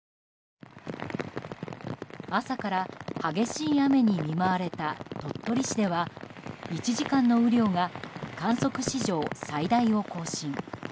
朝から激しい雨に見舞われた鳥取市では１時間の雨量が観測史上最大を更新。